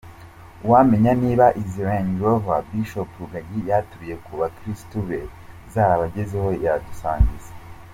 Uwamenya niba izi Range Rover Bishop Rugagi yaturiye ku bakirisitu be zarabagezeho yadusangiza.